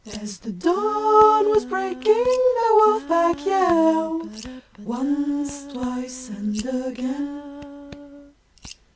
As the dawn was breaking the Wolf Pack yelled Once, twice and again!